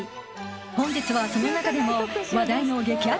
［本日はその中でも話題の激アツ